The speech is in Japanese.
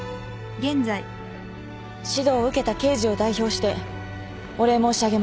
指導を受けた刑事を代表してお礼申し上げます。